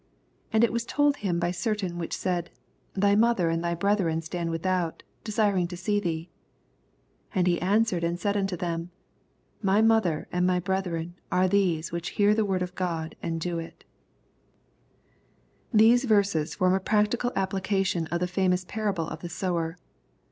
20 And it was told him b^ certain which said, Thj mother and thy brethren stand without, desiring to see thee. ' 21 And he answered and said unto them, My mother and my brethren are these which hear the word of Qod, These verses form a practical application of the famoos parable of the sower.